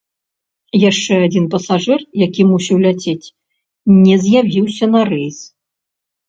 Яшчэ адзін пасажыр, які мусіў ляцець, не з'явіўся на рэйс.